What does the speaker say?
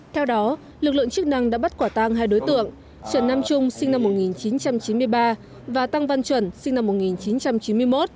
theo đó lực lượng chức năng đã bắt quả tăng hai đối tượng trần nam trung sinh năm một nghìn chín trăm chín mươi ba và tăng văn chuẩn sinh năm một nghìn chín trăm chín mươi một